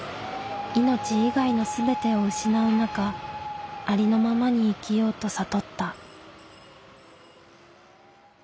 命以外の全てを失う中ありのままに生きようと悟った。